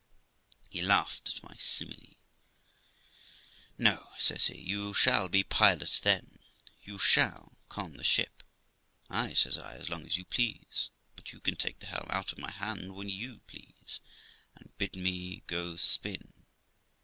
He laughed at my simile. 'No', says he; 'you shall be pilot then; you shall con the ship.' 'Ay', says I, 'as long as you please; but you can take the helm out of my hand when you please, and bid me go spin.